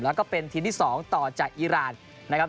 แล้วก็เป็นทีมที่๒ต่อจากอีรานนะครับ